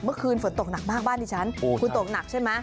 เมื่อคืนฝนตกหนักมากบ้านดิฉันคุณตกหนักใช่ไหม